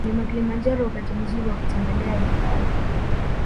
Mlima Kilimanjaro Wakati mzuri wa kutembelea hifadhi